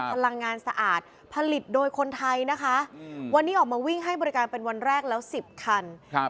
พลังงานสะอาดผลิตโดยคนไทยนะคะอืมวันนี้ออกมาวิ่งให้บริการเป็นวันแรกแล้วสิบคันครับ